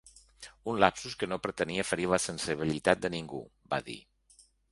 Un lapsus que no pretenia ferir la sensibilitat de ningú, va dir.